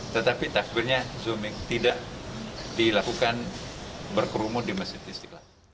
tetapi takbirnya zooming tidak dilakukan berkerumun di masjid istiqlal